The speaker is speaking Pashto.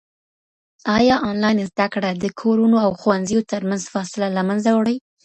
ايا انلاين زده کړه د کورونو او ښوونځیو ترمنځ فاصله له منځه وړي؟